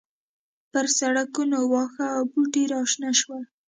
پر سړکونو واښه او بوټي راشنه شول